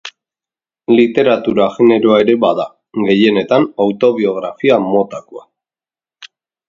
Literatura generoa ere bada, gehienetan autobiografia motakoa.